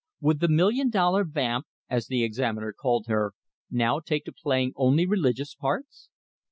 Would the "million dollar vamp," as the "Examiner" called her, now take to playing only religious parts?